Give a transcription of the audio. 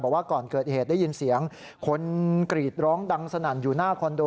บอกว่าก่อนเกิดเหตุได้ยินเสียงคนกรีดร้องดังสนั่นอยู่หน้าคอนโด